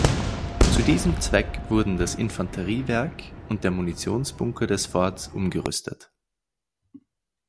Zu diesem Zweck wurden das Infanteriewerk und der Munitionsbunker des Forts umgerüstet.